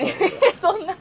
そんなの。